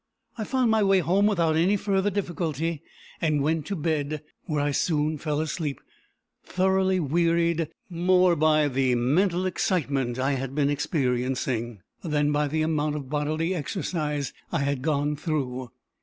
I found my way home without any further difficulty, and went to bed, where I soon fell asleep, thoroughly wearied, more by the mental excitement I had been experiencing than by the amount of bodily exercise I had gone through.